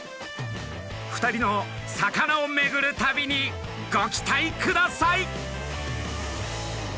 ２人の魚をめぐる旅にご期待ください！